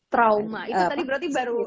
trauma itu tadi berarti baru